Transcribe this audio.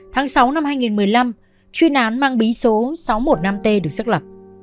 tháng sáu năm hai nghìn một mươi năm chuyên án mang bí số sáu trăm một mươi năm t được xác lập